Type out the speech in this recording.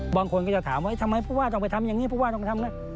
บางคนก็จะถามว่าทำไมพวกบ้านต้องไปทำอย่างนี้พวกบ้านต้องไปทำอะไร